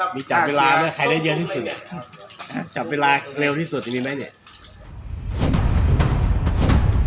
มีจับเวลาเมื่อใครได้เยอะที่สุดจับเวลาเร็วที่สุดดีไหมเนี่ย